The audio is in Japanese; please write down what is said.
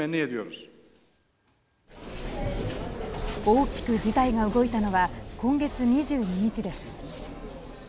大きく事態が動いたのは今月２２日です。